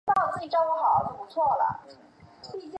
狼溪陨石坑是位于西澳大利亚州一个保存完好的陨石坑。